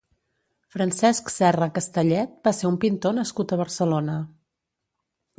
Francesc Serra Castellet va ser un pintor nascut a Barcelona.